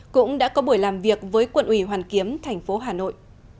cũng đã có buổi làm việc với quận ủy hoàn kiếm thành phố hà nội